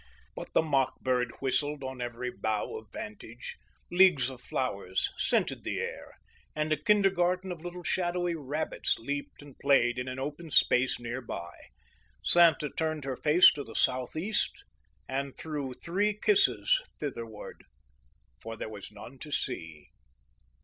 But the mock bird whistled on every bough of vantage; leagues of flowers scented the air; and a kindergarten of little shadowy rabbits leaped and played in an open space near by. Santa turned her face to the southeast and threw three kisses thitherward; for there was none to see.